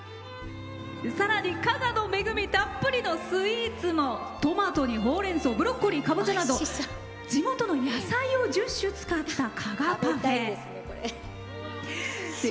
さらに加賀の恵みたっぷりのスイーツのトマトに、ほうれんそうブロッコリー、かぼちゃなど地元の野菜を１０種使った加賀パフェ。